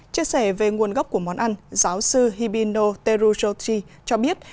chia sẻ về nguồn gốc của món ăn giáo sư hibino teruti cho biết